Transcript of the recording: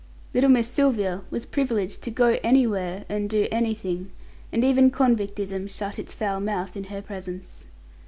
Little Miss Sylvia was privileged to go anywhere and do anything, and even convictism shut its foul mouth in her presence.